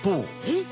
えっ！？